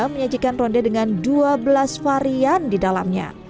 menyajikan ronde dengan dua belas varian di dalamnya